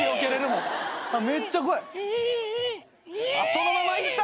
そのまま行った！